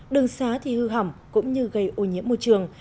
đường xá thì hư hỏng cũng như gây ô nhiễm môi trường